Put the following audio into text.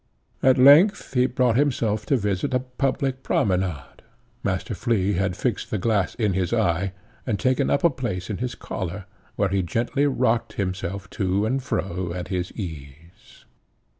At length he brought himself to visit a public promenade. Master Flea had fixed the glass in his eye, and taken up a place in his collar, where he gently rocked himself to and fro at his ease.